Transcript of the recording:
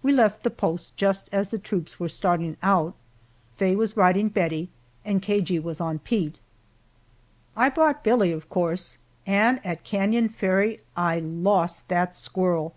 We left the post just as the troops were starting out. Faye was riding Bettie and Cagey was on Pete. I brought Billie, of course, and at Canon Ferry I lost that squirrel!